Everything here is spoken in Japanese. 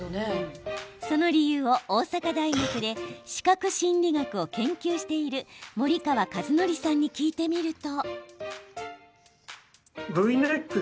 その理由を、大阪大学で視覚心理学を研究している森川和則さんに聞いてみると。